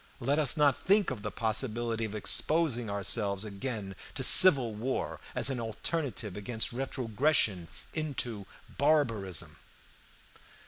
Let us not think of the possibility of exposing ourselves again to civil war as an alternative against retrogression into barbarism.